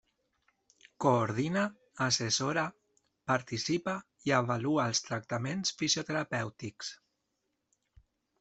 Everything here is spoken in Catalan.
Coordina, assessora, participa i avalua els tractaments fisioterapèutics.